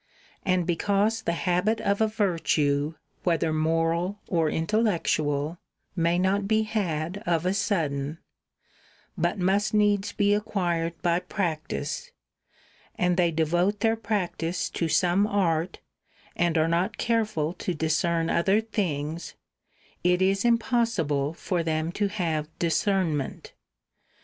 And because the habit of a virtue, whether moral or intellectual, may not be had of a sudden, but must needs be acquired by practice, and they 1^50] devote their practice to some art, and are not careful to discern other things, it is im possible for them to have discernment.